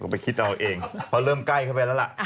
ไปคิดเอาเองเพราะเริ่มใกล้เข้าไปแล้วล่ะ